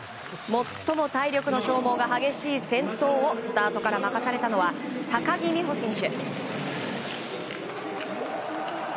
最も体力の消耗が激しい先頭をスタートから任されたのは高木美帆選手。